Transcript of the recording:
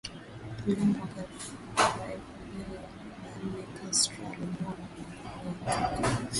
Mnamo mwaka wa elfu mbili na nane Castro aliamua kungatuka